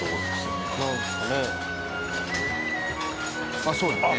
あっそうだよね。